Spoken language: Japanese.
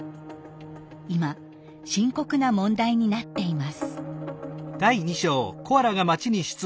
今深刻な問題になっています。